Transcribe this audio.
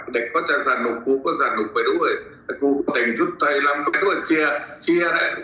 เด็กก็จะสนุกกูก็สนุกไปด้วยแต่กูแต่งชุดไทยลำไปด้วยเชียร์เชียร์เนี่ย